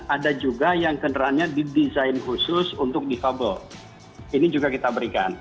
ada juga yang kendaraannya didesain khusus untuk difabel ini juga kita berikan